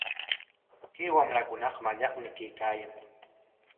Kay wamrakunaqa mallaqmi kaykaayan.